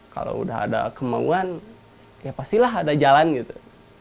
kalau udah ada kemauan ya pastilah ada jalan gitu